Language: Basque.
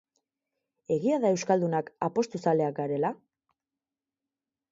Egia da euskaldunak apostuzaleak garela?